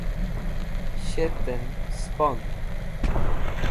shet'en spond